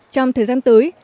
trong thời gian tới